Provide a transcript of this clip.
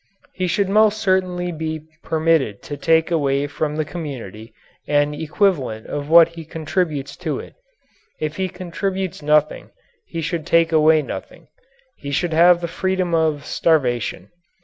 He should most certainly be permitted to take away from the community an equivalent of what he contributes to it. If he contributes nothing he should take away nothing. He should have the freedom of starvation.